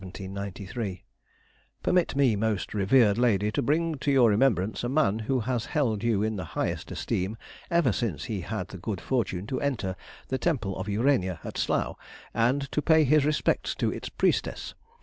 ] Permit me, most revered lady, to bring to your remembrance a man who has held you in the highest esteem ever since he had the good fortune to enter the Temple of Urania, at Slough, and to pay his respects to its priestess.